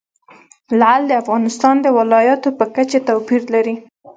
لعل د افغانستان د ولایاتو په کچه توپیر لري.